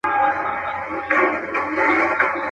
څه نعمت خالق راکړی وو ارزانه.